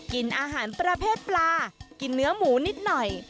กินอาหารประเภทปลากินเนื้อหมูนิดหน่อย